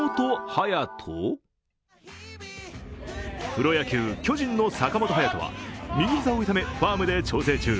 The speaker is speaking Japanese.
プロ野球、巨人の坂本勇人は右膝を痛めファームで調整中。